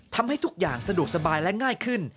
ทำให้ทุกอย่างสะดวกสบายและง่ายขึ้น